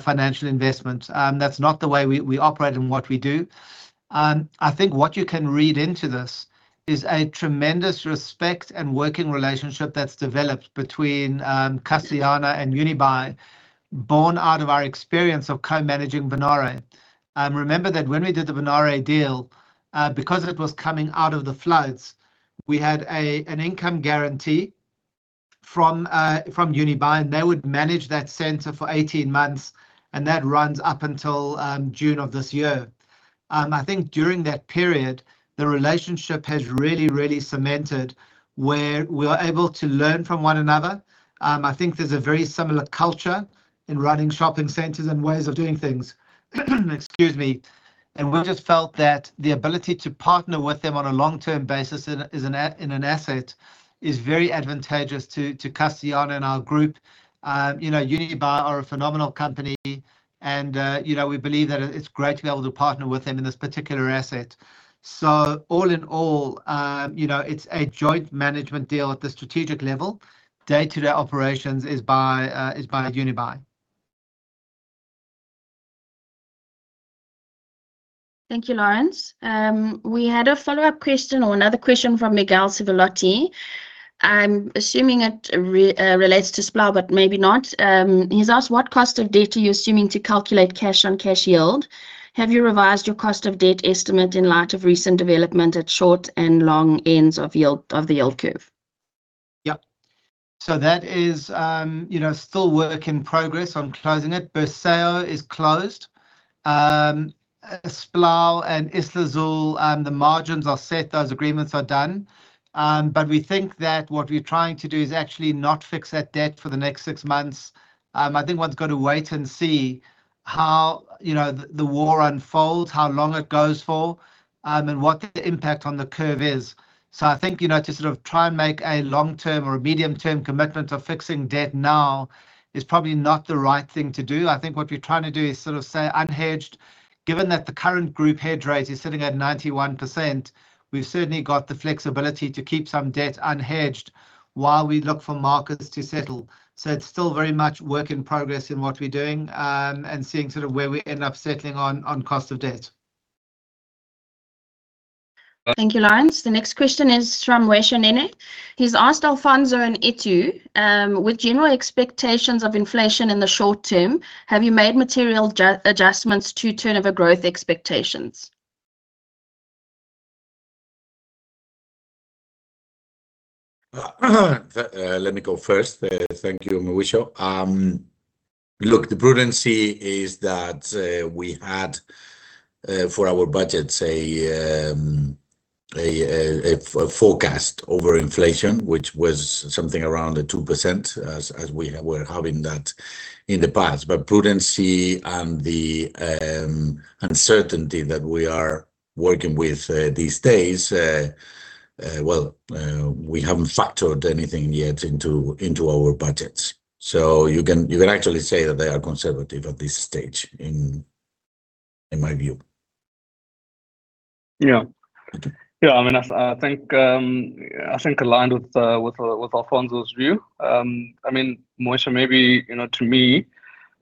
Speaker 1: financial investment. That's not the way we operate and what we do. I think what you can read into this is a tremendous respect and working relationship that's developed between Castellana and Unibail borne out of our experience of co-managing Bonaire. Remember that when we did the Bonaire deal, because it was coming out of the floods, we had an income guarantee from Unibail, and they would manage that center for 18 months, and that runs up until June of this year. I think during that period the relationship has really cemented where we are able to learn from one another. I think there's a very similar culture in running shopping centers and ways of doing things. Excuse me. We just felt that the ability to partner with them on a long-term basis in an asset is very advantageous to Castellana and our group. You know, Unibail are a phenomenal company, and you know, we believe that it's great to be able to partner with them in this particular asset. All in all, you know, it's a joint management deal at the strategic level. Day-to-day operations is by Unibail.
Speaker 4: Thank you, Laurence. We had a follow-up question or another question from Miguel Simcovitz. I'm assuming it relates to Splau, but maybe not. He's asked what cost of debt are you assuming to calculate cash on cash yield? Have you revised your cost of debt estimate in light of recent development at short and long ends of yield, of the yield curve?
Speaker 1: Yep. That is, you know, still work in progress on closing it. Berceo is closed. Splau and Islazul, the margins are set. Those agreements are done. We think that what we're trying to do is actually not fix that debt for the next six months. I think one's gotta wait and see how, you know, the war unfolds, how long it goes for, and what the impact on the curve is. I think, you know, to sort of try and make a long-term or a medium-term commitment of fixing debt now is probably not the right thing to do. I think what we're trying to do is sort of say unhedged, given that the current group hedge rate is sitting at 91%, we've certainly got the flexibility to keep some debt unhedged while we look for markets to settle. It's still very much work in progress in what we're doing, and seeing sort of where we end up settling on cost of debt.
Speaker 4: Thank you, Lawrence. The next question is from Mawisha Nene. He's asked Alfonso and Itu, with general expectations of inflation in the short term, have you made material adjustments to turnover growth expectations?
Speaker 3: Let me go first. Thank you, Mawisha. Look, the prudence is that we had for our budget, say, a forecast over inflation, which was something around the 2% as we were having that in the past. Prudence and the uncertainty that we are working with these days, well, we haven't factored anything yet into our budgets. You can actually say that they are conservative at this stage in my view.
Speaker 2: Yeah. I mean, I think aligned with Alfonso's view. I mean, Mawisha, maybe, you know, to me,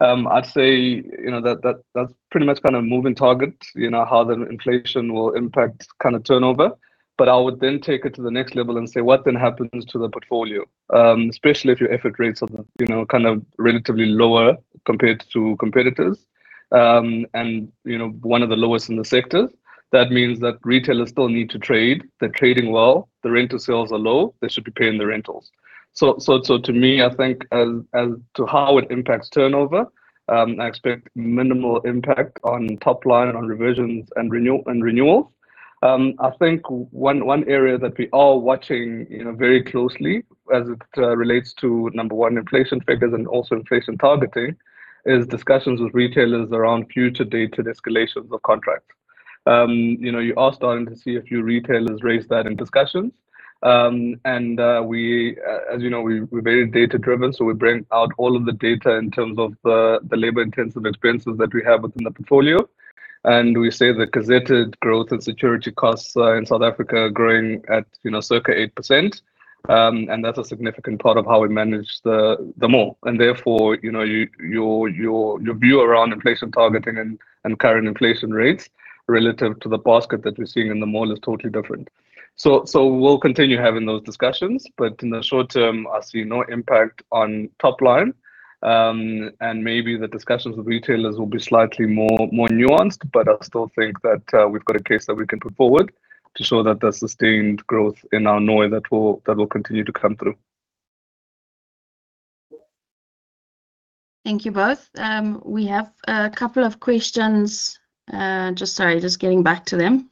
Speaker 2: I'd say, you know, that's pretty much kind of moving target, you know, how the inflation will impact kind of turnover. I would then take it to the next level and say what then happens to the portfolio, especially if your effort rates are, you know, kind of relatively lower compared to competitors, and, you know, one of the lowest in the sector. That means that retailers still need to trade. They're trading well. The rent-to-sales are low. They should be paying the rentals. To me, I think as to how it impacts turnover, I expect minimal impact on top line on reversions and renewals. I think one area that we are watching, you know, very closely as it relates to number one inflation figures and also inflation targeting is discussions with retailers around future dated escalations of contracts. You know, you are starting to see a few retailers raise that in discussions. As you know, we're very data driven, so we bring out all of the data in terms of the labor intensive expenses that we have within the portfolio. We say the gazetted growth and security costs in South Africa are growing at, you know, circa 8%. That's a significant part of how we manage the mall. Therefore, you know, your view around inflation targeting and current inflation rates relative to the basket that we're seeing in the mall is totally different. We'll continue having those discussions. In the short term, I see no impact on top line. Maybe the discussions with retailers will be slightly more nuanced, I still think that we've got a case that we can put forward to show that there's sustained growth in our NOI that will continue to come through.
Speaker 4: Thank you both. We have a couple of questions. Sorry, just getting back to them.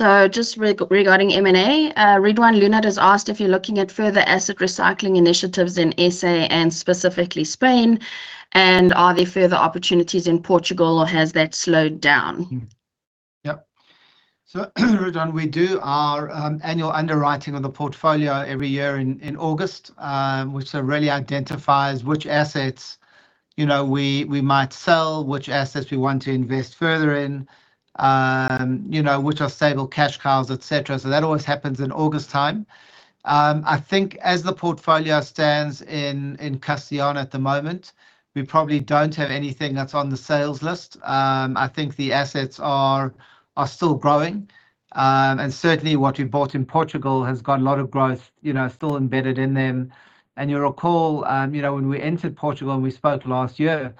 Speaker 4: Regarding M&A, Ridwaan Loonat has asked if you're looking at further asset recycling initiatives in SA and specifically Spain, and are there further opportunities in Portugal or has that slowed down?
Speaker 1: Ridwaan, we do our annual underwriting of the portfolio every year in August, which really identifies which assets, you know, we might sell, which assets we want to invest further in, you know, which are stable cash cows, et cetera. That always happens in August time. I think as the portfolio stands in Castellana at the moment, we probably don't have anything that's on the sales list. I think the assets are still growing. Certainly what we bought in Portugal has got a lot of growth, you know, still embedded in them. You'll recall, you know, when we entered Portugal and we spoke last year,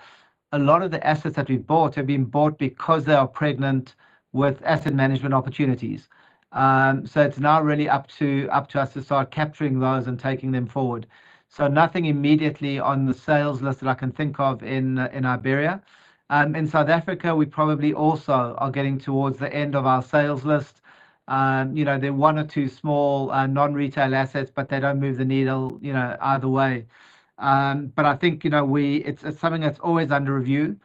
Speaker 1: a lot of the assets that we bought have been bought because they are pregnant with asset management opportunities. It's now really up to us to start capturing those and taking them forward. Nothing immediately on the sales list that I can think of in Iberia. In South Africa, we probably also are getting towards the end of our sales list. You know, there are one or two small non-retail assets, but they don't move the needle, you know, either way. I think, you know, it's something that's always under review.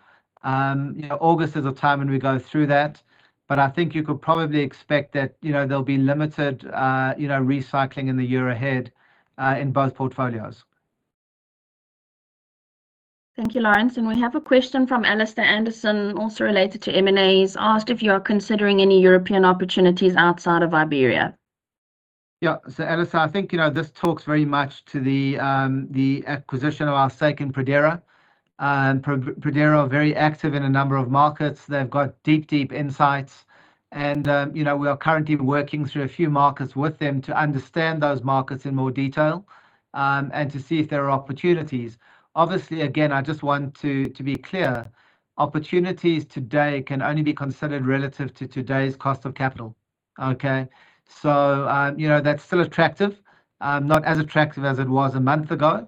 Speaker 1: You know, August is a time when we go through that. I think you could probably expect that, you know, there'll be limited you know recycling in the year ahead in both portfolios.
Speaker 4: Thank you, Laurence. We have a question from Alistair Anderson, also related to M&A. He's asked if you are considering any European opportunities outside of Iberia.
Speaker 1: Yeah. Alistair, I think, you know, this talks very much to the acquisition of our stake in Pradera. Pradera are very active in a number of markets. They've got deep insights and, you know, we are currently working through a few markets with them to understand those markets in more detail, and to see if there are opportunities. Obviously, again, I just want to be clear, opportunities today can only be considered relative to today's cost of capital. Okay? You know, that's still attractive. Not as attractive as it was a month ago.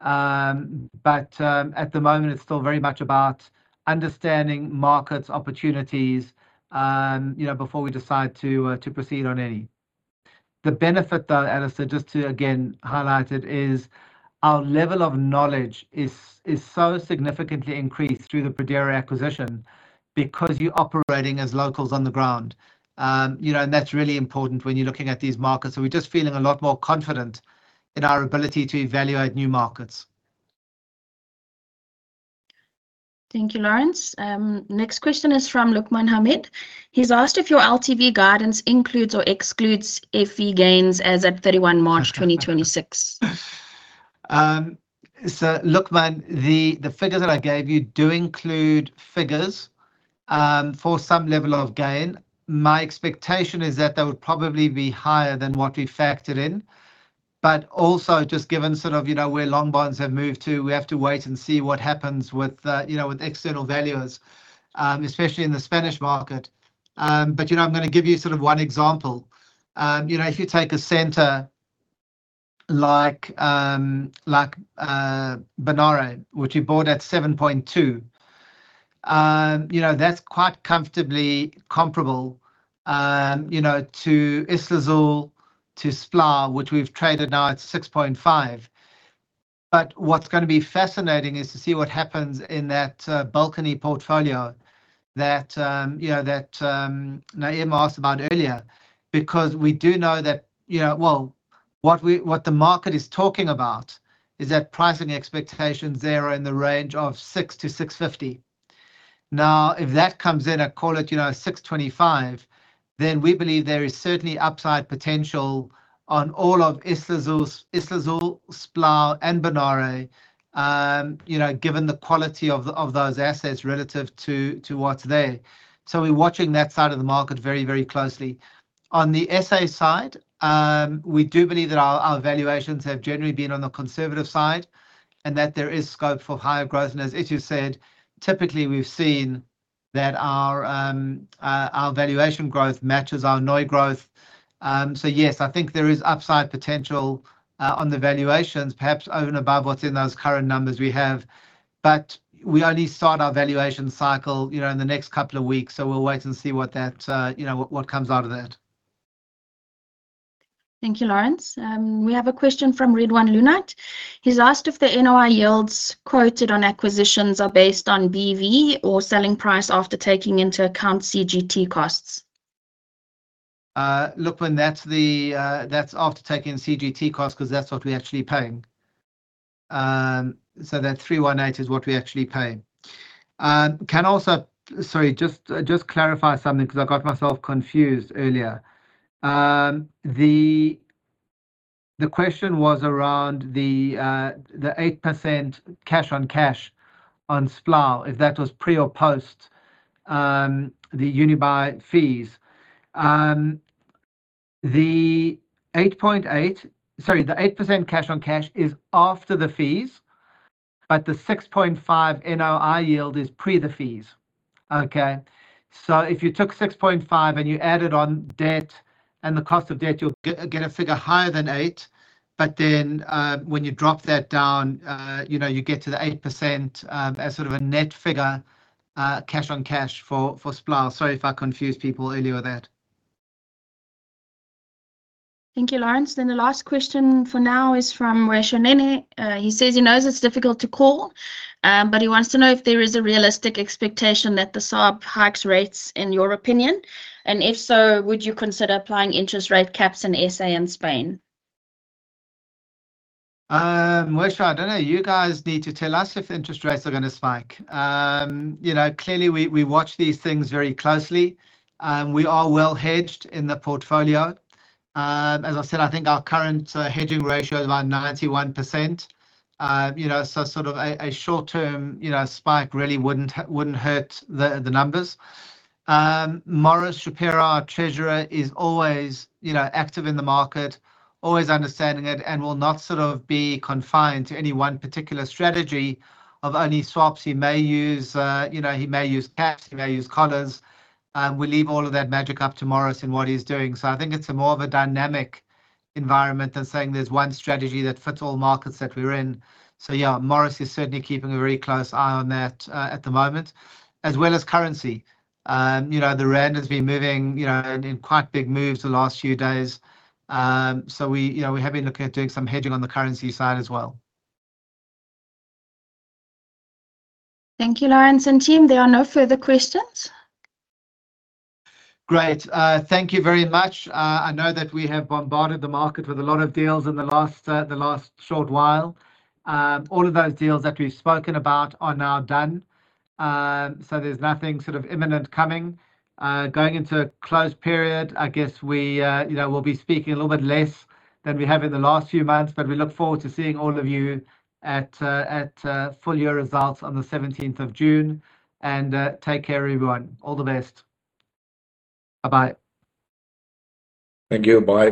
Speaker 1: But at the moment, it's still very much about understanding markets, opportunities, you know, before we decide to proceed on any. The benefit though, Alistair, just to again highlight it, is our level of knowledge so significantly increased through the Pradera acquisition because you're operating as locals on the ground. You know, and that's really important when you're looking at these markets. We're just feeling a lot more confident in our ability to evaluate new markets.
Speaker 4: Thank you, Laurence. Next question is from Luqman Hamid. He's asked if your LTV guidance includes or excludes FV gains as at 31 March 2026.
Speaker 1: Luqman, the figures that I gave you do include figures for some level of gain. My expectation is that they would probably be higher than what we factored in. Also just given sort of, you know, where long bonds have moved to, we have to wait and see what happens with, you know, with external valuers, especially in the Spanish market. You know, I'm gonna give you sort of one example. You know, if you take a center like Bonaire, which we bought at 7.2%, you know, that's quite comfortably comparable, you know, to Islazul, to Splau, which we've traded now at 6.5%. What's gonna be fascinating is to see what happens in that balcony portfolio that Naeem asked about earlier. Because we do know that, you know, well, what the market is talking about is that pricing expectations there are in the range of 6%-6.50%. Now, if that comes in at, call it, you know, 6.25%, then we believe there is certainly upside potential on all of Islazul, Splau and Bonaire, you know, given the quality of those assets relative to what's there. So we're watching that side of the market very, very closely. On the SA side, we do believe that our valuations have generally been on the conservative side and that there is scope for higher growth. As Itso said, typically we've seen that our valuation growth matches our NOI growth. Yes, I think there is upside potential on the valuations perhaps over and above what's in those current numbers we have. We only start our valuation cycle, you know, in the next couple of weeks. We'll wait and see what that, you know, what comes out of that.
Speaker 4: Thank you, Laurence. We have a question from Ridwaan Loonat. He's asked if the NOI yields quoted on acquisitions are based on BV or selling price after taking into account CGT costs.
Speaker 1: Look, when that's the, that's after taking CGT cost 'cause that's what we're actually paying. That 318 is what we actually pay. Can I also... Sorry, just clarify something 'cause I got myself confused earlier. The question was around the 8% cash on cash on Splau, if that was pre or post the Unibail fees. The 8% cash on cash is after the fees, but the 6.5 NOI yield is pre the fees. Okay. If you took 6.5 and you added on debt and the cost of debt, you'll get a figure higher than 8. When you drop that down, you know, you get to the 8%, as sort of a net figure, cash on cash for Splau. Sorry if I confused people earlier with that.
Speaker 4: Thank you, Laurence. The last question for now is from Moish Mennen. He says he knows it's difficult to call, but he wants to know if there is a realistic expectation that the SARB hikes rates in your opinion, and if so, would you consider applying interest rate caps in SA and Spain?
Speaker 1: Moish, I don't know. You guys need to tell us if interest rates are gonna spike. You know, clearly we watch these things very closely. We are well hedged in the portfolio. As I said, I think our current hedging ratio is about 91%. You know, so sort of a short term spike really wouldn't hurt the numbers. Maurice Shapiro, our treasurer, is always active in the market, always understanding it, and will not be confined to any one particular strategy of only swaps. He may use caps, he may use collars. We leave all of that magic up to Morris and what he's doing. I think it's more of a dynamic environment than saying there's one strategy that fits all markets that we're in. Yeah, Morris is certainly keeping a very close eye on that at the moment, as well as currency. You know, the rand has been moving, you know, in quite big moves the last few days. You know, we have been looking at doing some hedging on the currency side as well.
Speaker 4: Thank you, Laurence and team. There are no further questions.
Speaker 1: Great. Thank you very much. I know that we have bombarded the market with a lot of deals in the last short while. All of those deals that we've spoken about are now done. So there's nothing sort of imminent coming. Going into a closed period, I guess we, you know, we'll be speaking a little bit less than we have in the last few months, but we look forward to seeing all of you at full year results on the seventeenth of June. Take care everyone. All the best. Bye-bye. Thank you. Bye.